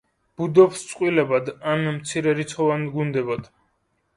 ბუდობს წყვილებად ან მცირერიცხოვან გუნდებად.